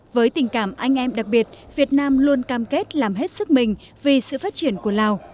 với tình cảm anh em đặc biệt việt nam luôn cam kết làm hết sức mình vì sự phát triển của lào